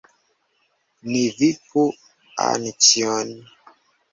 Ni vipu Anĉjon!